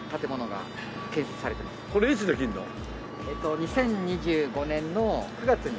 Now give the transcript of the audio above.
２０２５年の９月に。